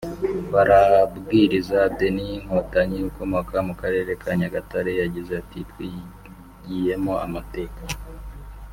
Barabwiriza Deny Nkotanyi ukomoka mu karere ka Nyagatare yagize ati “Twigiyemo amateka